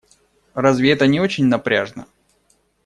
Разве это не очень напряжно?